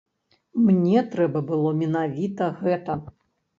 Мне трэба было менавіта гэта.